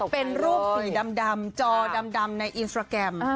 เป็นรูปสีดำจอดำในอินสตราแกรม